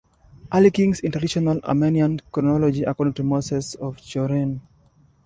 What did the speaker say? Early kings in traditional Armenian chronology according to Moses of Chorene.